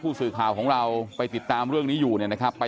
สื่อข่าวของเราไปติดตามเรื่องนี้อยู่เนี่ยนะครับ